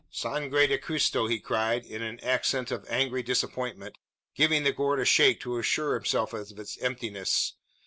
"Sangre de Cristo!" he cried, in an accent of angry disappointment, giving the gourd a shake to assure himself of its emptiness.